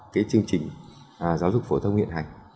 cái chương trình giáo dục phổ thông hiện hành